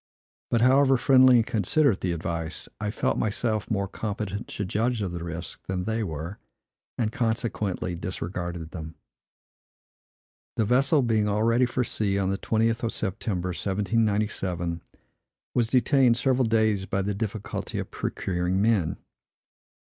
But, however friendly and considerate the advice, I felt myself more competent to judge of the risk than they were, and, consequently, disregarded them. The vessel, being all ready for sea on the 20th of September, 1797, was detained several days by the difficulty of procuring men.